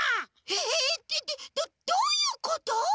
えっえっえっどどういうこと？